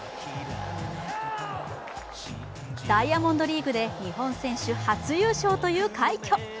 ダイヤモンドリーグで日本選手初優勝という快挙。